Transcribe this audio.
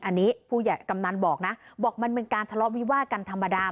อันนี้ผู้ใหญ่กำนันบอกนะบอกมันเป็นการทะเลาะวิวาดกันธรรมดา